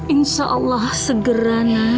insya allah segera nak